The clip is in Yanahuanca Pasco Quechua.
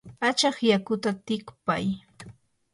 achaq yakuta tikpay.